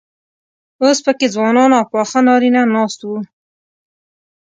اوس پکې ځوانان او پاخه نارينه ناست وو.